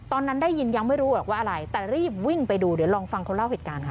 ตอนนั้นได้ยินยังไม่รู้หรอกว่าอะไรแต่รีบวิ่งไปดูเดี๋ยวลองฟังเขาเล่าเหตุการณ์ค่ะ